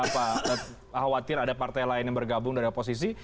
khawatir ada partai lain yang bergabung dari oposisi